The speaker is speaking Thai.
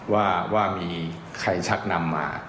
ว่ามีใครชักนำมา